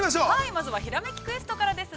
◆まずは「ひらめきクエスト」からです。